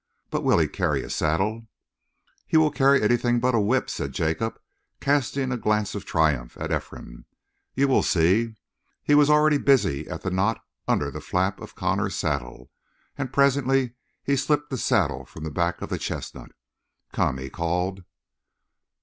But will he carry a saddle?" "He will carry anything but a whip," said Jacob, casting a glance of triumph at Ephraim. "You will see!" He was already busy at the knot under the flap of Connor's saddle, and presently he slipped the saddle from the back of the chestnut. "Come!" he called.